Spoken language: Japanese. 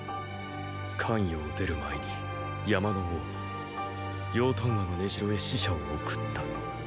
咸陽を出る前に山の王楊端和の根城へ使者を送った。